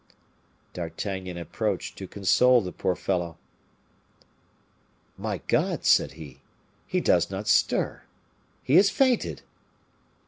D'Artagnan approached to console the poor fellow. "My God!" said he, "he does not stir he has fainted!"